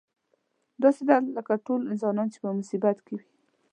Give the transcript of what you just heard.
داسې ده لکه ټول انسانان چې په مصیبت کې وي.